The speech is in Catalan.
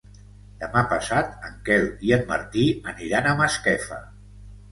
Demà passat en Quel i en Martí aniran a Masquefa.